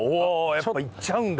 やっぱいっちゃうんだ。